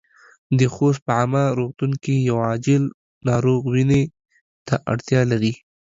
د خوست په عامه روغتون کې يو عاجل ناروغ وينې ته اړتیا لري.